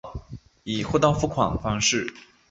以货到付款方式